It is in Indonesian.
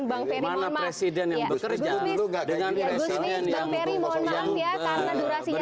dalam debat keempat